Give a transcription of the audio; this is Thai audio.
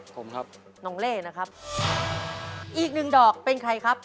ผมครับน้องเล่นะครับอีกหนึ่งดอกเป็นใครครับ